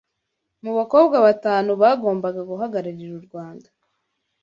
mu bakobwa batanu bagombaga guhagararira u Rwanda